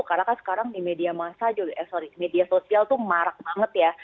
karena kan sekarang di media sosial itu marak banget ya